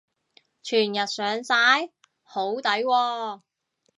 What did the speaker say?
全日上晒？好抵喎